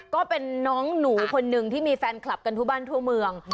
ก็เป็นน้องหนูคนหนึ่งที่มีแฟนคลับกันทั่วบ้านทั่วเมือง